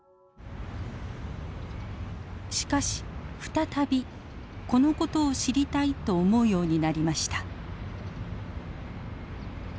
しかし再びこの事を知りたいと思うようになりました。